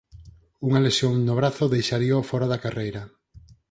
Unha lesión no brazo deixaríao fóra da carreira.